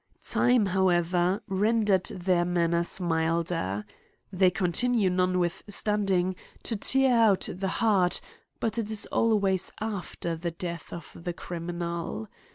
Time^ however, rendered their man ners milder ; they continue notwithstanding, to tear out the heart, but it is always after the death of the criminal.